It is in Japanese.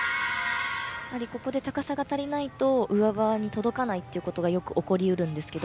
ここで高さが足りないと上バーに届かないということがよく起こり得るんですが。